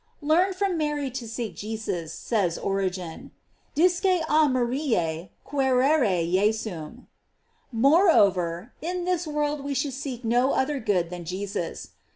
Learn from Mary to seek Jesus, says Origen "Disce a Maria quaerere Jesum." Moreover, in this world we should seek no other good than Jesus.